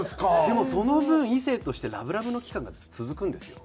でもその分異性としてラブラブの期間が続くんですよ。